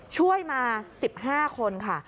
ช่วยมา๑๕คนค่ะ